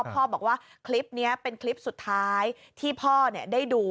พ่อบอกว่าคลิปนี้เป็นคลิปสุดท้ายที่พ่อได้ดู